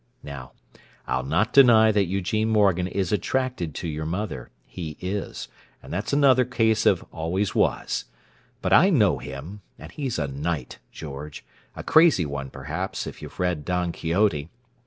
Now, I'll not deny that Eugene Morgan is attracted to your mother. He is; and that's another case of 'always was'; but I know him, and he's a knight, George—a crazy one, perhaps, if you've read 'Don Quixote.